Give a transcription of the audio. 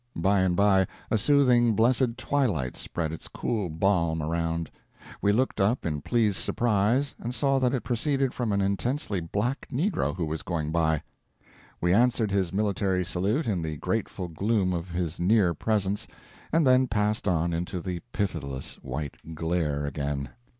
By and by a soothing, blessed twilight spread its cool balm around. We looked up in pleased surprise and saw that it proceeded from an intensely black negro who was going by. We answered his military salute in the grateful gloom of his near presence, and then passed on into the pitiless white glare again.